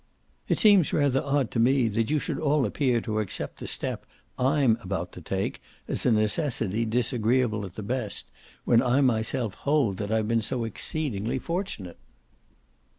"It seems rather odd to me that you should all appear to accept the step I'M about to take as a necessity disagreeable at the best, when I myself hold that I've been so exceedingly fortunate."